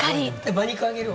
馬肉あげるわ。